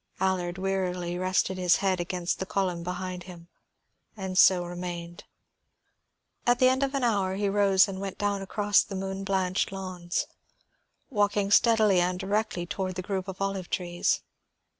Allard wearily rested his head against the column behind him, and so remained. At the end of an hour he rose and went down across the moon blanched lawns, walking steadily and directly toward the group of olive trees.